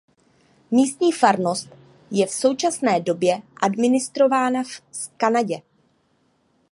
Místní farnost je v současné době administrována z Kadaně.